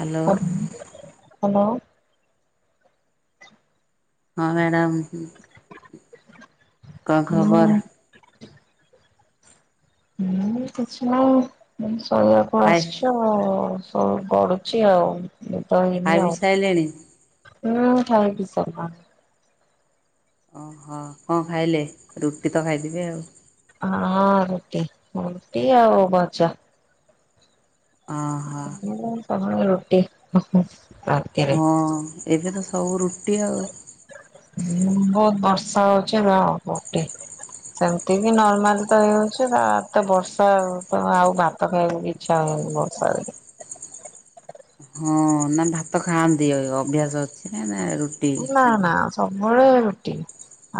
Hello hello. ହଁ madam କଣ ମୁଁ ଖବର? ହୁଁ କିଛି ନାହିଁ ଏମିତି ଶୋଇବାକୁ ଖାଇ ଆସିଛୁ ଆଉ। ହଁ ହଁ ସବୁ ଗଡୁଛି ଆଉ ନିଦ ଖାଇ ହେଇନି ବିି ଆଉ। ସାଇଲେଣି? ହୁଁ ଖାଇପିଇ ସାରିଲୁଣି। ଓହୋ କଣ ଖାଇଲେ ରୁଟି ତ ଖାଇଦବେ ଆଉ। ହଁ ହଁ ରୁଟି ରୁଟି ଆଉ ଭଜା। ଅହ। ମୋର ସବୁବେଳେ ରୁଟି ହୁଁ। ରା ହଁ ଏବେ ତ ସବୁ ରୁଟି ଆଉ। ହୁଁ ବହୁତ ବର୍ଷା ହଉଚି [unintelligible] ସେମିତି ବି ନର୍ମାଲ ତ ହେଇଯାଉଛି। କାଇଁ ଆଜିଉ ଏତେ ବର୍ଷା ତ ଆଉ ଭାତ ଖାଇବାକୁ ଇ ଥାଉ ବଷାରେ। ହଁ ନା ଭାତ ଖାଆନ୍ତି ଅଭ୍ୟାସ ଅଛି ନା ରୁ ନା ନା ସବୁବେଳେ ରୁଟି।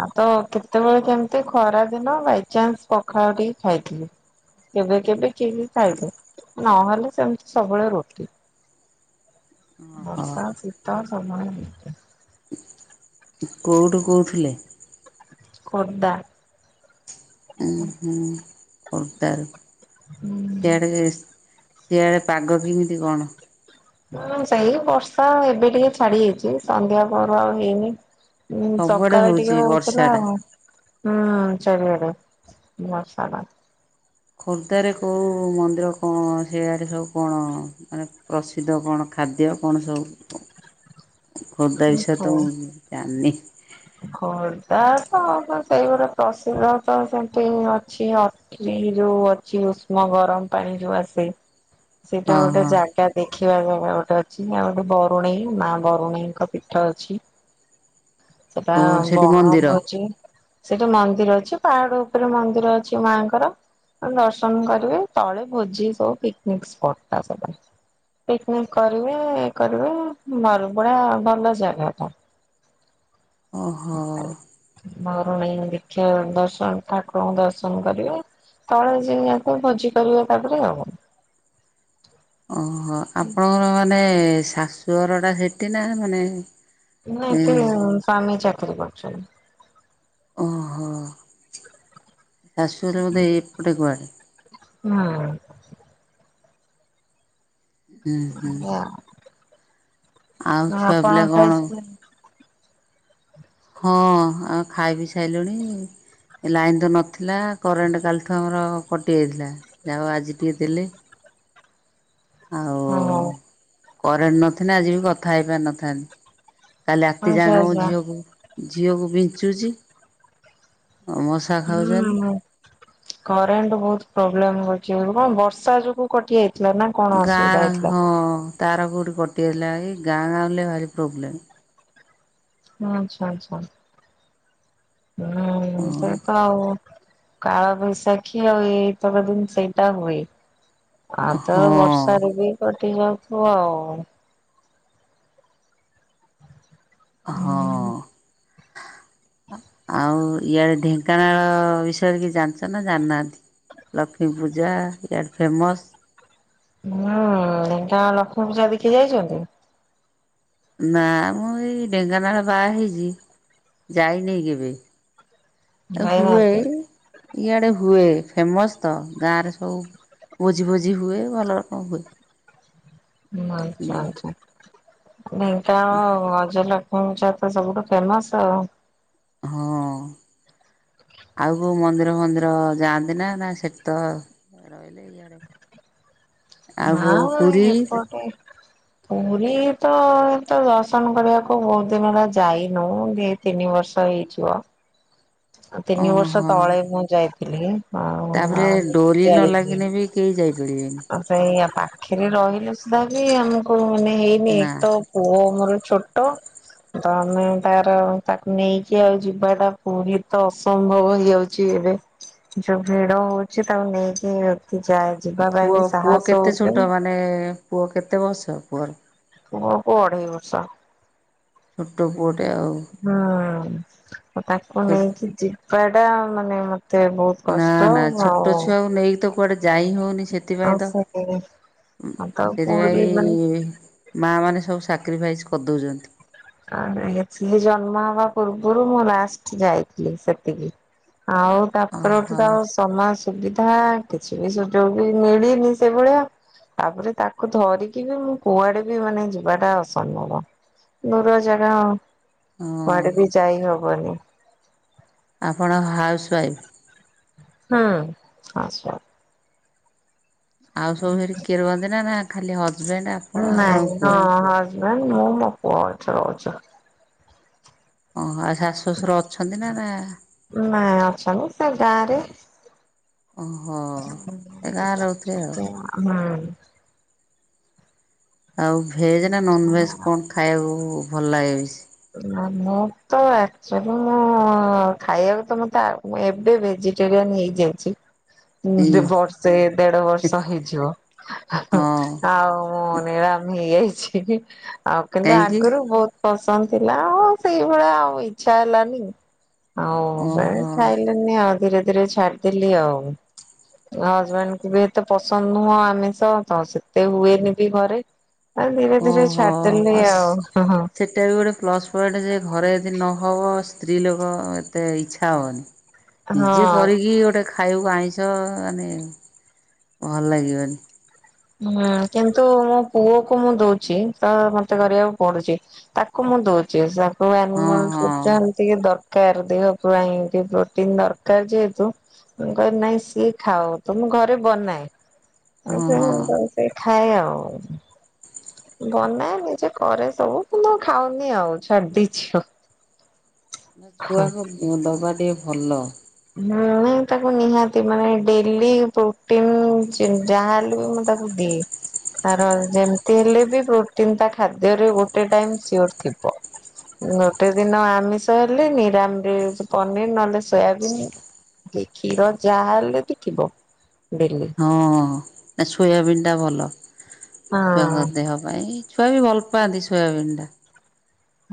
ଆ ତ କେତେବେଳେ କେଅମିତି ନଖରା ଦିନ ବାଇଚନ୍ସ ପଖାଳ ଟିକେ ଖାଇଥିଲି। କେବେ କେବେ କିଏବି ପାଇଦୋଉ। ନହେଲେ ସେମିତି ସବୁବେଳେ ରୁଟି। ଓହୋ ବର୍ଷା ଶୀତ ସବୁବେଳେ ରୁଟି। କେଉଠୁ କୋଉଥିଲେ। ଖୋର୍ଦ୍ଧା। ଉଁ ହୁଁ ଖୋର୍ଦ୍ଧା ରୁ ହୁଁ। ସିଆଡେ ସିଆଡ଼େ ପାଗ କେମିତି କଣ? ହୁଁ ସେଇ ବର୍ଷା ଏବେ ଟିକେ ଛାଡି ଯାଇଚି। ସନ୍ଧ୍ୟା ପହରୁ ଆଉ ହେଇନି। ହୁଁ ସବୁଆଡ଼େ ସକାଳେ ହଉଛି ଟିକେ ହଉଥିଲା ବର୍ଷାଟା। ଆଉ। ହୁଁ ଚାରିଆଡ଼େ ବର୍ଷାଟା। ଖୋର୍ଦ୍ଧାରେ କୋଉ ମନ୍ଦିର କଣ ସେଆଡେ ସବୁ କଣ ମାନେ ପ୍ରସି ପ୍ରସିଦ୍ଧ କଣ ଖାଦ୍ୟ କଣ ସବୁ ଖୋର୍ଦ୍ଧା ବିଷୟରେ ଟା। ତ ମୁଁ ଜାଣିନି। ଖୋର୍ଦ୍ଧା ତ ସେଇଭଳି ପ୍ରସିଦ୍ଧ ତ ସେମତି ହିଁ ଅଛି ଆଉ। ଏଇ ଯୋଉ ଅଛି ଉଷ୍ମ ଗରମ ପାଣି ଯୋଉ ଆସେ। ସେଇଟା ହଁ ଗୋଟେ ହଁ ଜାଗା ଦେଖିବା ଜାଗା ଗୋଟେ ଅଛି। ଆଉ ଗୋଟେ ବରୁଣେଇ ମା ବରୁଣେଇଙ୍କ ପୀଠ ଅଛି। ସେଟା ଓ ସେଠି ବଣ ମନ୍ଦିର ଭୋଜି ସେଠି ମନ୍ଦିର ଅଛି। ପାହାଡ ଉପରେ ମନ୍ଦିର ଅଛି ମାଙ୍କର। ଦର୍ଶନ କରିବେ ତଳେ ଭୋଜି ସବୁ ପିକ୍ ନିକ ସ୍ପଟ ଟା ସବୁବେଳେ। ପିକନିକ କରିବେ। ଇଏ କରିବେ ଭାରି ବଢିଆ ଭଲ ଜାଗା ଟା। ଓହୋ। ବରୁଣେଇ ଦୀକ୍ଷା ଦର୍ଶନ ଠାକୁରଙ୍କୁ ଦର୍ଶନ କରିବ। ତଳେ ଜିଏ ଯାଇଥିବ ଭୋଜି କରିବ ତାପରେ ଆଉ। ହଁ ଆପଣଙ୍କର ମାନେ ଶାଶୁ ଘର ଟା ସେଠି ନା ମାନେ? ନାଁ ଏ ଏଠି ସ୍ୱାମୀ ଚାକିରି କରିଚନ୍ତି। ଓହୋ ଶାଶୁ ଘର ବୋଧେ ଏପଟେ କୁଆଡେ। ହୁଁ। ଉଁହୁଁ। ଆଉ ଛୁଆ ଆପଣ ପିଲା କଣ। ଖାଇସାରିଲେଣି? ହଁ ଆଉ ଖାଇ ପିଇ ସାଇଲୁଣି। ଏ ଲାଇନ୍ ତ ନଥିଲା କରେଣ୍ଟ କାଲିଠୁ ଆମର କଟିଯାଇଥିଲା ଯାହା ହୋଉ ଆଜି ଟିକେ ଦେଲେ। ଆଉ ହଁ କରେଣ୍ଟ ନଥିଲେ ଆଜି ବି କଥା ହେଇପାରିନଥାନ୍ତି। କାଲି ରାତି ଆଚ୍ଛା ଯାକ ମୁଁ ଆଚ୍ଛା ଝିଅକୁ ଝିଅକୁ ବିଞ୍ଚୁଛି ଆଉ ମସା [unintelligible] କରେଣ୍ଟ ବୋହୁତ ପ୍ରୋବ୍ଲେମ ହୋଉଛି ଏବେ କଣ ବର୍ଷା ଯୋଗୁ କଟି ଯାଇଥିଲା ନା କଣ ଅସୁବିଧା ଗାଁ ହେଇଥିଲା? ହଁ ତାର କୋଉଠି କଟିଯାଇଥିଲା ଏଇ ଗାଁ ହେଲେ ଭାରି ପ୍ରୋବ୍ଲେମ୍। ହଁ ଆଚ୍ଛା ଆଚ୍ଛା। ହୁଁ ଏଇଆ ହଁ ତ ଆଉ। କାଳ ବୈଶାଖୀ ଆଉ ଏଇତକ ଦିନ ସେଇଟା ହୁଏ। ଆଉ ତ ହଁ ବର୍ଷାରେ ବି କଟି ଯାଉଥୁବ ଆଉ ହଁ। ହୁଁ ଆଉ ଇଆଡେ ଢେଙ୍କାନାଳ ବିଷୟରେ କିଛି ଜାଣିଚ ନା ଜାଣିନାହାନ୍ତି। ଲକ୍ଷ୍ମୀ ପୂଜା ଇଆଡେ ଫେମସ୍। ହୁଁ ଢେଙ୍କାନାଳ ଲକ୍ଷ୍ମୀ ପୂଜା ଦେଖି ଯାଇଚନ୍ତି? ନା ମୁଁ ଏଇ ଢେଙ୍କାନାଳ ବାହା ହେଇଚି ଯାଇନେଇ କେବେ। ହୁଏ ଯାଇନାହାନ୍ତି। ଇଆଡେ ହୁଏ ଫେମସ ତ ଗାଁରେ ସବୁ ଭୋଜି ଫୋଜି ହୁଏ ଭଲ ରକମ ହୁଏ। ହୁଁ ଆଚ୍ଛା ଆଚ୍ଛା ଢେଙ୍କାନାଳ ଗଜଲ ହୁଁ ଚାର ତ ସବୁଠୁ ଫେମସ ଆଉ ହଁ। ଆଉ କୋଉ ମନ୍ଦିର ଫନ୍ଦିର ଯାଆନ୍ତି ନା ନା ସେଠି ତ ରହି ହେଲେ ଇଆଡେ ଆଉ କୋଉ ନାଁ ପୁରୀ। ଏପଟେ ପୁରୀ ତ ତ ଦର୍ଶନ କରିବାକୁ ବୋହୁତ ଦିନ ହେଲା ଯାଇନୁ‌‌ ଦି ତିନି ବର୍ଷ ହେଇଯିବ ତିନି ବର୍ଷ ଓହୋ ତଳେ ମୁଁ ଯାଇଥିଲି। ଆଉ ତାପରେ ଆଉ ଡୋରି ନ ଲାଗିନେ ବି କେହି ଯାଇପାରିବେନି‌। ‌ ଆଁ ସେଇଆ ପାଖେରେ ରହିଲେ ସୁଧା ବି ଆମୁକୁ। ନା [unintelligible] ପୁଅ ମୋରୋ ଛୋଟୋ। ତମେ ତାର ତାକୁ ନେଇକି ଆଉ ଯିବାଟା ପୁରୀ ତ ଅସମ୍ଭବ ହେଇଯାଉ ଚି ଏବେ ଯୋଉ ଭିଡ ହୋଉଚି ତାକୁ ନେଇକି ଏତେ ଯାଏ ଯି ପୁଅ ପୁଅ କେତେ ଛୋଟୋ ମାନେ ପୁଅ କେତେ ବର୍ଷ ପୁଅର। ପୁଅକୁ ଅଢେଇ ବର୍ଷ। ଛୋଟୋ ପୁଅଟେ ଆଉ। ହୁଁ ଉ ତାକୁ ଛୋ ନେଇକି ଯିବା ଟା ମାନେ ମତେ ବୋହୁତ ନା ନା ଛୋଟୋ ଛୁଆକୁ ନେଇକି ତ କୁଆଡେ ଯାଇ ହୋଉ ଆଉ ସେଥିପାଇଁ ତ ସେ ଉଁ ତ ପୁରୀ ସେଇଥିପାଇଁ ମାଆ ମାନେ ସବୁ ସାକ୍ରିଫାଇସ୍ କରିଦୋଉଚନ୍ତି। ଆରେ ଇଏ ସିଏ ଜନ୍ମ ହବା ପୂର୍ବୁରୁ ମୁଁ ଲାଷ୍ଟ ଯାଇଥିଲି ସେତିକି। ଆଉ ଓହୋ ତାପରଠୁ ତ ଆଉ ସମାସ୍ ସୁବିଧା କିଛି ବି ସୁଯୋଗ ବି ମିଳିନି ସେଭଳିଆ। ତାପରେ ତାକୁ ଧରିକି ବି ମୁଁ କୁଆଡେ ବି ମାନେ ଯିବାଟା ଅସମ୍ଭବ। ଦୂରଜାଗା ଆଉ ହଁ କୁଆଡେ ବି ଯାଇ ହବନି। ଆପଣ ହାଉସୱାଇଫ। ହୁଁ ହାଉସୱାଇଫ। ଆଉ ସବୁ ସେଠି କିଏ ରୁହନ୍ତି ନା ନା ଖାଲି ହଜବେଣ୍ଡ ଆପଣ ଆପଣଙ୍କ ପୁଅ। ନାଇଁ ମୋ ମୋ ପୁଅ ଅଛୁ। [unintelligible] ଓହ ଆଉ ଶାଶୁ ଶ୍ୱଶୁର ଅଛନ୍ତି ନା ନା ନାଆଁ ଅଛନ୍ତି ସେ ଗାଁ ରେ। ଓହୋ। ଏ ଗାଁରେ ରହୁଥିବେ ଆଉ। ହୁଁ। ଆଉ ଭେଜ୍ ନା ନନଭେଜ୍ କଣ ଖାଇବାକୁ ଭଲ ଲାଗେ ବେଶି? ମୁଁ ତ ଆକ୍ଚୁଲି ମୁଁ ଖାଇବାକୁ ତ ମତେ ମୁଁ ଏବେ ଭେଜି ଯେରିଆନ ହେଇଯାଉଛି। ଏଇ ବର୍ଷେ ଦେଢ ବର୍ଷ ହେଇଯିବ ହଁ ଆଉ ମୁଁ ନିରାମୀ ହେଇଯାଇଛି ଆଉ କିନ୍ତୁ କାହିଁକି ଆଗରୁ ବହୁତୁ ପସନ୍ଦ ଥିଲା ଆଉ ସେଇଭଳିଆ ଆଉ ଇଚ୍ଛା ହେଲାନି ଆଉ ସେ ଓହୋ ଖାଇଲେ ନି ଆଉ ଧୀରେ ଧୀରେ ଛାଡିଦେଲି ଆଉ। ଆଉ ହଜବେଣ୍ଡ କୁ ବି ଏତେ ପସନ୍ଦ ନୁହଁ ଆମିଷ ତ ସେତେ ହୁଏନି ବି ଘରେ। ଆଉ ଧୀରେ ଧୀରେ ଛାଡିଦେଲିି ଆଉ ହ ହଁ। ଏଇଟା ବି ଗୋଟେ ପ୍ଲସ୍ ପଏଣ୍ଟ ଯେ ଘରେ ଯଦି ନହେବ ସ୍ତ୍ରୀ ଲୋକ ଏତେ ଇଚ୍ଛା ହେବନି। [inaudible] ନିଜେ ହଁ କରିକି ଗୋଟେ ଖାଇକୁ ଆଣିଛ ମାନେ ଭଲ ଲାଗିବନି। ହୁଁ କିନ୍ତୁ ମୋ ପୁଅ କୁ ମୁଁ ଦଉଛି ତ ମତେ କରିବାକୁ ପଡୁଛି। ତାକୁ ମୁଁ ଦଉଛି ତାକୁ ହଁ ଆନିମଲ ହଁ ଟିକେ ଦର କାର ଦେହ ପାଇଁ ଟିକେ ପ୍ରୋଟିନ୍ ଦରକାର ଯେହେତୁ। ମୁଁ କହିଲି ନାଇଁ ସିଏ ଖାଅ ତ ମୁଁ ଘରେ ବନାଏ। ହଁ ହଁ। ତ ସେ ଖାଏ ଆଉ। ବନାଏ ନିଜେ କରେ ସବୁ କିନ୍ତୁ ଖାଉନି ଆଉ ଛାଡିଦେଇଛିି। ନା ଛୁଆକୁ ଦବା ଟିକେ ଭଲ। ହୁଁ ନାଇଁ ତାକୁ ନିହାତି ମାନେ ଡେଲି ପ୍ରଟିନ ଚି ଯାହା ହେଲେ ବି ମୁଁ ତାକୁ ଆଉ ଦେ ତାର ଯେମତି ହେଲେ ବି ପ୍ରୋଟିନ ତା ଖାଦ୍ୟରେ ଗୋଟେ ଟାଇମ୍ ସିଓର ଥିବ। ଗୋଟେ ଦିନ ଆମିଷ ହେଲେ ନିରାମି ପନିର ନହେଲେ ସୋୟା ବିନି ଏ କ୍ଷୀର ଯାହା ହେଲେ ଥିବ ଡେଲି। ସୋୟାବିନି ଟା ଭଲ ହଁ ଛୁଆଙ୍କ ଦେହ ପାଇଁ। ଛୁଆ ବି ଭଲ ପାଆନ୍ତି ସୋୟାବିନ୍ ଟା।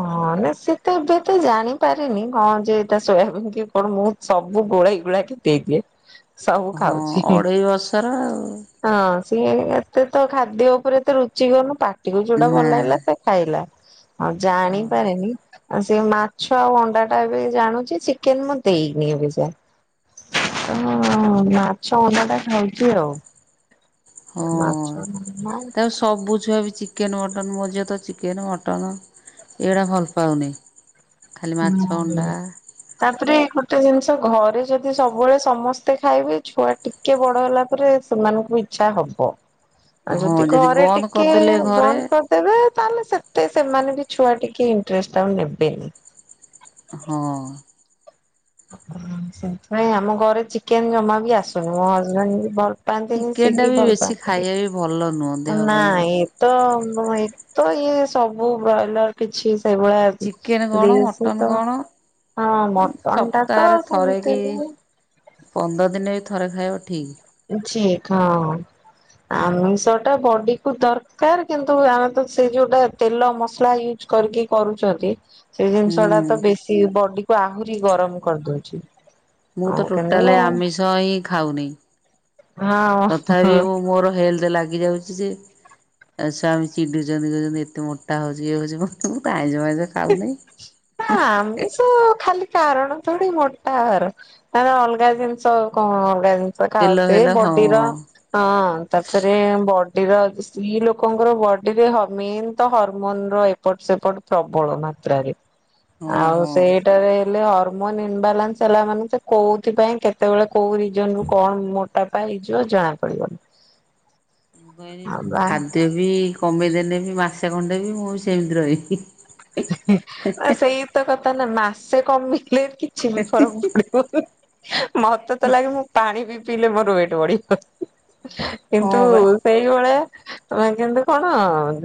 ହଁ ନା ସେ ତ ଏବେ ତ ଜାଣିପାରିନି କଣ ଯେ ତା ଶୋୟାବିନି କି କଣ ମୁଁ ସବୁ ଗୋଳେଇ ଗୁଳା କି ଦେଇଦିଏ। ସବୁ ହଁ ଖାଉଛି। ଅଢେଇ ବର୍ଷର ଆଉ। ହଁ ସିଏ ଏତେ ତ ଖାଦ୍ୟ ଉପରେ ଏତେ ରୁଚି କରନୁ ପାଟିକୁ ଯୁଟା ଭଲ ନା ଲାଗିଲା ସେ ଖାଇଲା ଆଉ ଜାଣିପାରେନି ଆଉ ସେ ମାଛ ଆଉ ଅଣ୍ଡା ଟା ଏବେ ଜାଣୁଛି ଚିକେନ ମୁଁ ଦେଇନି ଏବେ ଯାଏ। ହଁ ମାଛ ଅଣ୍ଡା ଟା ଖାଉଛି ଆଉ। ହଁ ମାଛ ତାକୁ ସବୁ ଛୁଆ ବି ଚି କେନ୍ ମଟନ୍ ମୋ ଝିଅ ତ ଚିକେନ ମଟନ ଏଗୁଡା ଭଲ ପାଉନି। ଖାଲି ମାଛ ଅଣ୍ଡା [unintelligible] ତାପରେ ଗୋଟେ ଜିନିଷ ଘରେ ଯଦି ସବୁବେଳେ ସମସ୍ତେ ଖାଇବେ ଛୁଆ ଟି ଟିକେ ବଡ଼ ହେଲା ପରେ ସେମାନଙ୍କୁ ଇଚ୍ଛା ହବ। ଆଉ ହଁ ଯଦି ଘରେ ବନ୍ଦ ଟିକେ କରିଦେଲେ ବନ୍ଦ ଘରେ କର ତେବେ ତାହେଲେ ସେତେ ସେମାନେ ବି ଛୁଆ ଟିକେ ଇଣ୍ଟରେଷ୍ଟ ଆଉ ନେବେନି। ହଁ। ସେଥିପାଇଁ ଆମ ଘରେ ଚିକେନ ଜମା ବି ଆସୁନି ମୋ ହଜବେଣ୍ଡ ବି ଭଲ ପାଆନ୍ତିନି ସେ ବି ଭଲ ପାଆନ୍ତିନି। ଏତେବି ଭଲ ନୁହଁ। ଦେହ ନା ପାଇଁ ବି। ଏତ ଏତ ଇଏ ସବୁ ବ୍ରଏଲର କିଛି ଚିକେନ କଣ ସେଇଭଳିଆ ଶ ମଟନ ତ କଣ ହଁ ମଟନ ଟା ତ ସପ୍ତାହରେ ଥରେ କି ସେମିତିନି। ପନ୍ଦର ଦିନ ବି ଥରେ ଖାଇବ ଠିକ୍। ଠ ହଁ। ଆମିଷ ଟା ବଡି କୁ ଦରକାର କିନ୍ତୁ ଆମେ ତ ସେ ଯୋଉଟା ତେଲ ମସଲା କରିକି କରୁଛନ୍ତି। ସେଇ ହୁଁ ଜିନିଷ ଟା ତ ବେଶୀ ବଡି କୁ ଆହୁରି ଗରମ କରିଦଉଛି। ମୁଁ ତ ଆଉ କିନ୍ତୁ ଟୋଟାଲ ହଁ ଆମିଷ। ମାଛ ହିଁ ଖାଉନି ତଥାପି ମୁଁ ମୋର ହେଲ୍ଥ ଲାଗିଯାଉଛି। ସ୍ୱାମୀ ଚିୁଛନ୍ତି କହୁଛନ୍ତି ଏତେ ମୋଟା ହଉଛି ଇଏ ହଉଛି ମତେ ଆଇଁ ମାଇଁ ଖାଉନେ। ନା ଆମିଷ ଖାଲି କାରଣ ଥୋଡି ମୋଟା ଆହାର - ନ ଅଲଗା ଜିନିଷ କଣ ଅଲଗା ଜିନିଷ ତେଲ ଖାଉଥେ ଫେଲ ହଁ ବଡିର - ହଁ ତାପରେ ବଡିର ସ୍ତ୍ରୀ ଲୋକଙ୍କର ବଡିରେ ମେନ୍ ତ ହରମୋନ ର- ଏପଟ ସେପଟ ପ୍ରବଳ ମାତ୍ରାରେ ହଁ ଆଉ ହଁ। ସେଇଟାରେ ହେଲେ - ଇନବାଲାନ୍ସ ହେଲା ମାନେ ତ କୋଉଥି ପାଇଁ କେତେ ବେଳେ କୋଉ ରିଜନ୍ ରୁ କଣ - ତା ପାଇଁ ହେଇଯିବ ଜଣା ପଡିବନି। ମୁଁ କହିଲି ଆଉ ବା ଖାଦ୍ୟ ବି କମେଇଦେଲେବି ମାସେ ଖଣ୍ଡେ ବି ମୁଁ ସେମିତି ରହିବି। ନା ସେଇ ତ କଥା ନା ମାସେ କମେଇଲେ କିଛି ବି ଫରକ୍ ପଡିବନି। ମତେ ତ ଲାଗେ ମୁଁ ପାଣି ବି ପିଇଲେ ମୋର ୱେଟ୍ ବଢିଯାଉଛି କିନ୍ତୁ ହଁ ବା। - ସେଇଭଳିଆ ତମେ କିନ୍ତୁ କଣ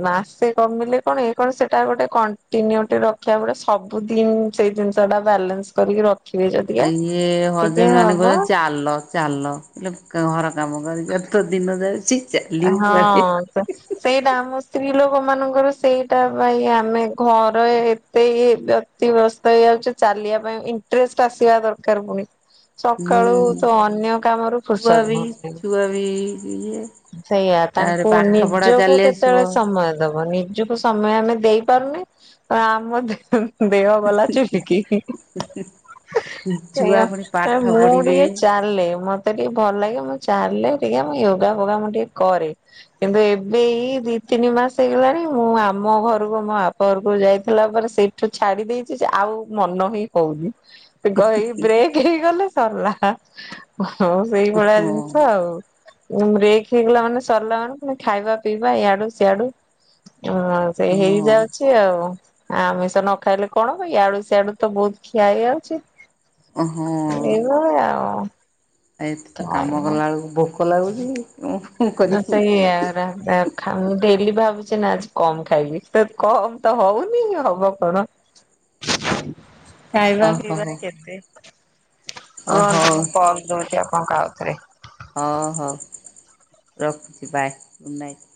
ମାସେ କମିଲେ କଣ ଏଇ କଣ ସେଟା ଗୋଟେ- ଦିନେ ଗୋଟେ ରକ୍ଷା ମିଳେ ସବୁଦିନ ସେଇ ଜିନିଷଟା ବାଲାନ୍ସ କରିକି - ଇଏ ହଜବେନଡ୍ କହିବେ ଚାଲ - ଚାଲ ହେଲେ ଘର କାମ କରି କରି ତ ଦିନ ଯାଉଚି - ହଁ। ସେଇଟା ଆମ ସ୍ତ୍ରୀ ଲୋକ ମାନଙ୍କର ସେଇଟା ପାଇଁ ଆମେ ଘର ଏତେ ଇଏ - ବ୍ୟସ୍ତ ହେଇଯାଉଛି ଚାଲିବା ପାଇଁ ଇଣ୍ଟରେଷ୍ଟ ଆସିବା ଦରକାର ପୁଣ। ହ [inaudible] ସକାଳୁ ତ ଅନ୍ୟ କାମରୁ ଫୁରସତ୍ ମିଳୁନି - ଦଆ ବିଏ [unintelligible] ସେଇଆା ତାଙ୍କୁ ନିଜକୁ ଆସିବ କେତେବେଳେ ସମୟ ଦବ ନି। ନିଜକୁ ସମୟ ଆମେ ଦେଇପାରୁନେ ତ ଆମ ଦିନ - ଦେହ ଗଲା ଚୁଲିକି। ଛୁଆ ପୁଣି ଆଇ ପାଠ ମୁଁ ପଢିବେ ଟିକେ ଚାଲେ - ମତେ ଟିକେ ଭଲ ଲାଗେ ମୁଁ ଚାଲେ ଟିକେ ୟୋଗା ଫୋଗା ମୁଁ ଟିକେ କରେ। କିନ୍ତୁ ଏବେ ଏଇ ଦି ତିନି ମାସ ହେଇଗଲାଣି ମୁଁ ଆମ ଘରକୁ ମୋ ବାପଘରକୁ ଯାଇଥିଲା ପରେ - ଠୁ ଛାଡି ଦେଇଛି ଯେ ଆଉ ମନ ହିଁ - ହଉନି ଏଇ ବ୍ରେକ୍ ହେଇଗଲେ ସରିଲା ହ। ସେଇ ଭଳିଆ ହଁ ଜିନିଷ ଆଉ। ବ୍ରେକ ହେଇଗଲା ମାନେ ସରିଲା ମାନେ ଫୁଣି ଖାଇବା ପିଇବା ଇଆଡୁ ସିଆଡୁ ଉଁ। ସେ ହଁ ହେଇଯାଉଛି। ଆଉ ଆମିଷ ନ ଖାଇଲେ କଣ ହବ ୟଆଡୁ ସିଆଡୁ ତ ବହୁତ ଖିଆ ହେଇଯାଉଛି। ଓହୋ। ଏୟା ଆଉ। ଆ ଏଠି ତ କାମ ଖାଇବା କଲାବେଳକୁ ଭୋକ ଲାଗୁଛି। ଆ କରିବୁ ସେୟାରା। ମୁଁ ଡେଲି ଭାବୁଛି ନା ଆଜି କମ ଖାଇବି ତ କମ ତ ହଉନି ହବ କଣ। [inaudible] ଖାଇବା ଓ ହୋ ପିଇବାରେ ହୋ କେତେ? ଓ ରୁହନ୍ତୁ ହଉ ମୁଁ କଲ ଦଉଛି ଆପଣଙ୍କୁ ଆଉଥରେ। ହଁ ହଉ ରଖୁଛି ବାଏ ଗୁଡ଼୍ ନାଇଟ୍।